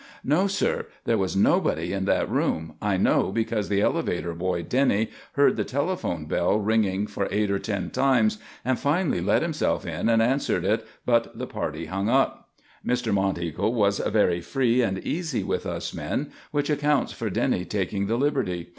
"No, sir. There was nobody in that room. I know because the elevator boy, Denny, heard the telephone bell ringing for eight or ten times, and finally let himself in and answered it, but the party hung up. Mr. Monteagle was very free and easy with us men, which accounts for Denny taking the liberty.